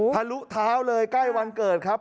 ทะลุเท้าเลยใกล้วันเกิดครับ